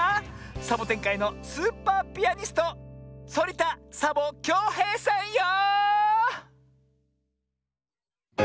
サボテンかいのスーパーピアニストそりた・サボ・きょうへいさんよ！